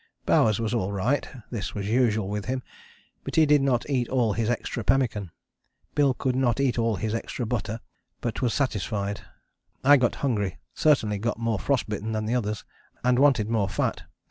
Bowers was all right (this was usual with him), but he did not eat all his extra pemmican. Bill could not eat all his extra butter, but was satisfied. I got hungry, certainly got more frost bitten than the others, and wanted more fat.